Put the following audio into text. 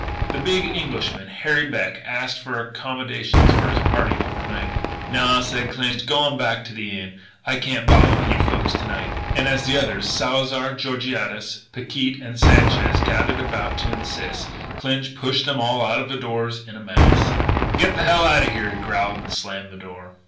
The big Englishman, Harry Beck, asked for accommodations for his party over night. "Naw," said Clinch, "g'wan back to the Inn. I can't bother with you folks to night." And as the others, Salzar, Georgiades, Picquet and Sanchez gathered about to insist, Clinch pushed them all out of doors in a mass. "Get the hell out o' here!" he growled; and slammed the door.